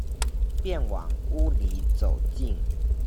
便往屋裡走進